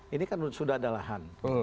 ini kan sudah ada lahan